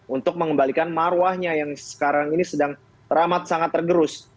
untuk mengembalikan marwahnya yang sekarang ini sedang teramat sangat tergerus